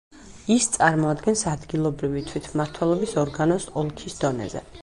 ის წარმოადგენს ადგილობრივი თვითმმართველობის ორგანოს ოლქის დონეზე.